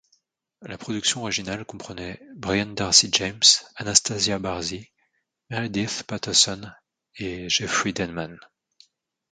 La production originale comprenait Brian d'Arcy James, Anastasia Barzee, Meredith Patterson et Jeffry Denman.